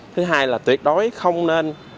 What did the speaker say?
thứ hai là tuyệt đối không nên